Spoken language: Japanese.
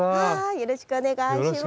よろしくお願いします。